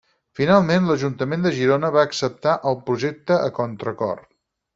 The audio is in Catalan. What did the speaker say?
Finalment l'Ajuntament de Girona va acceptar el projecte a contra cor.